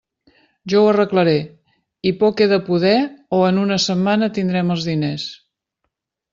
Jo ho arreglaré, i poc he de poder o en una setmana tindrem els diners.